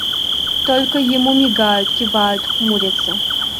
Только, ему мигают, кивают, хмурятся.